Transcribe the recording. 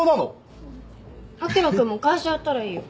あきら君も会社やったらいいよ。